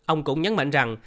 ông cũng nhấn mạnh rằng